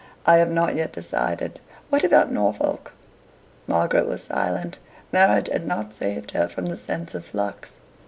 "I have not yet decided. What about Norfolk?" Margaret was silent. Marriage had not saved her from the sense of flux.